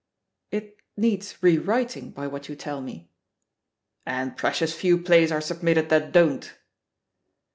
"It needs rewriting, by what you tell me." "And precious few plays are submitted that don't!"